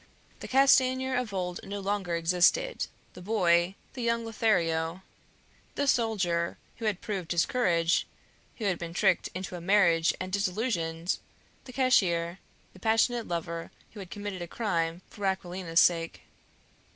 The Castanier of old no longer existed the boy, the young Lothario, the soldier who had proved his courage, who had been tricked into a marriage and disillusioned, the cashier, the passionate lover who had committed a crime for Aquilina's sake.